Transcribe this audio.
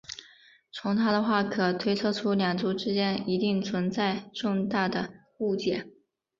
从她的话可推测出两族之间一定存在重大的误解。